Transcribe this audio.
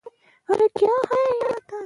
غابي د ښوونځي له ټولګیوالو زده کړې کوي.